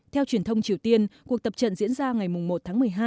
theo truyền thông triều tiên cuộc tập trận diễn ra ngày một tháng một mươi hai